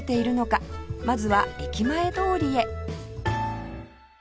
まずは駅前通りへ